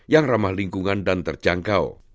yang ramah lingkungan dan terjangkau